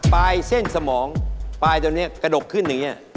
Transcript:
ปลายเส้นสมองปลายตรงนี้กระดกขึ้นอย่างนี้